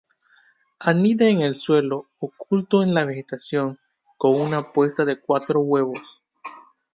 Anida en el suelo, oculto en la vegetación, con una puesta de cuatro huevos.